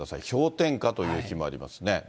氷点下という日もありますね。